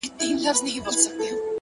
د لرې غږونو ګډوالی د ښار ژوند جوړوي